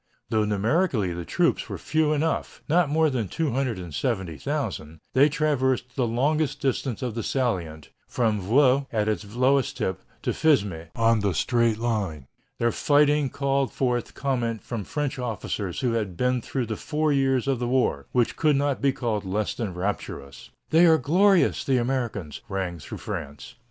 Though numerically the troops were few enough, not more than 270,000, they traversed the longest distance of the salient, from Vaux, at its lowest tip, to Fismes, on the straight line. Their fighting called forth comment from French officers who had been through the four years of the war, which could not be called less than rapturous. "They are glorious, the Americans," rang through France.